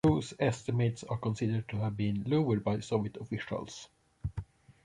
Those estimates are considered to have been lowered by Soviet officials.